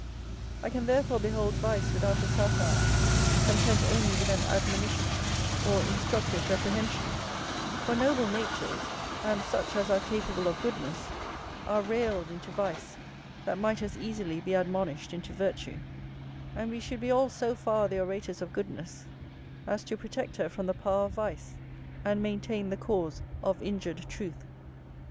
I can therefore behold vice without a satire, content only with an admonition, or instructive reprehension; for noble natures, and such as are capable of goodness, are railed into vice, that might as easily be admonished into virtue; and we should be all so far the orators of goodness as to protect her from the power of vice, and maintain the cause of injured truth.